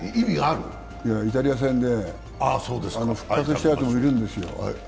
イタリア戦で復活したやつもいるんですよ。